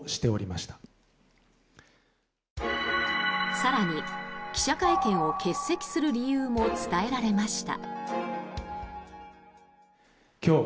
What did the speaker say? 更に、記者会見を欠席する理由も伝えられました。